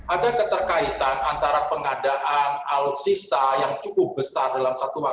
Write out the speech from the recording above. ada keterkaitan antara pengadaan alutsista yang cukup besar dalam satu hal